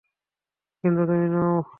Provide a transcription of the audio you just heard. কিন্তু তুমি নও।